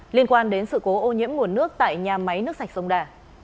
liên quan đến sự cố ô nhiễm nguồn nước tại nhà máy nước sạch sông đà